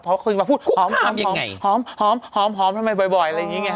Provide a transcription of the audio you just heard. เพราะว่าคุกคาบยังไงหอมหอมหอมทำไมบ่อยอะไรอย่างนี้ไงคะ